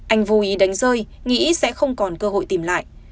anh vô ý đánh rơi nghĩ sẽ không còn cơ hội tìm lại